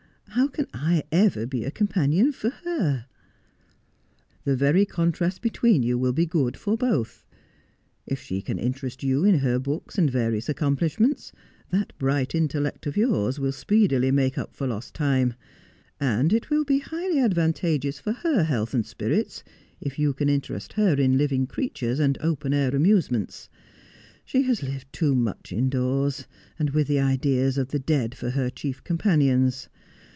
How can I ever be a companion for her 1 '' The very contrast between you will be good for both. If 6he can interest you in her books and various accomplishments, that bright intellect of yours will speedily make up for lost ' That would be too Horrible.' 199 time. And it will be highly advantageous for her health and spirits if you can interest her in living creatures and open air amusements. She has lived too much indoors, and with the ideas of the dead for her chief companions.